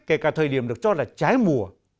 kể cả thời điểm được cho là trái mùa